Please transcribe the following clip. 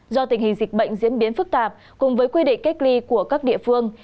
do tình hình dịch bệnh diễn biến phức tạp cùng với quy định cách ly của các địa phương